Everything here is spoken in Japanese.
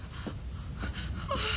ああ。